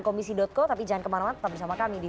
komisi co tapi jangan kemana mana tetap bersama kami di